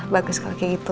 bagus kalau kayak gitu